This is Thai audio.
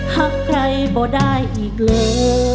หากใครบ่ได้อีกเลย